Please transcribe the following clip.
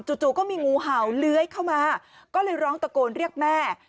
จู่ก็มีงูเห่าเลื้อยเข้ามาก็เลยร้องตะโกนเรียกแม่